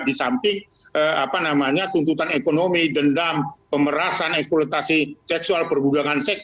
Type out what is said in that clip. di samping apa namanya tuntutan ekonomi dendam pemerasan eksploitasi seksual perbudakan seks